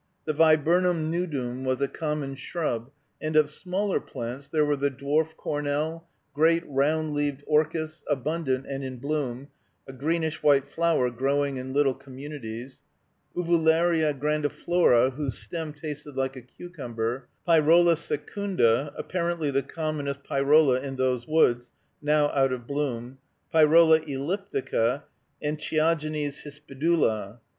The Viburnum nudum was a common shrub, and of smaller plants, there were the dwarf cornel, great round leaved orchis, abundant and in bloom (a greenish white flower growing in little communities), Uvularia grandiflora, whose stem tasted like a cucumber, Pyrola secunda, apparently the commonest pyrola in those woods, now out of bloom, Pyrola elliptica, and Chiogenes hispidula.